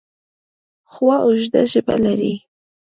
غوا اوږده ژبه لري.